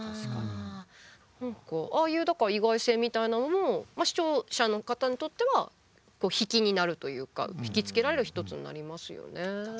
何かああいうだから意外性みたいなのも視聴者の方にとっては引きになるというか引き付けられる一つになりますよね。